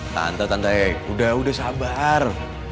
tante tante udah sabar